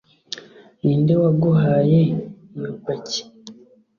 ninde waguhaye iyo paki